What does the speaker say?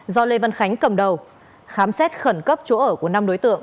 do lê văn khánh cầm đầu khám xét khẩn cấp chỗ ở của năm đối tượng